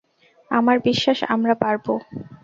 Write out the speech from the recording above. আমার বিশ্বাস আমরা পারব।